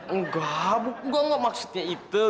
enggak gue gak maksudnya itu